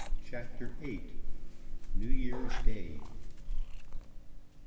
CHAPTER VIII. NEW YEAR'S DAY.